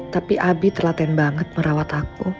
tapi abi telaten banget merawat aku